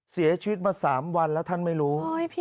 เสียชีวิตมา๓วันแล้วท่านไม่รู้